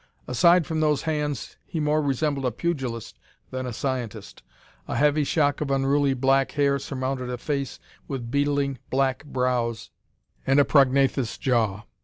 Aside from those hands he more resembled a pugilist than a scientist. A heavy shock of unruly black hair surmounted a face with beetling black brows and a prognathous jaw.